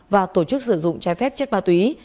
và tổ chức sử dụng trái phép chất ma túy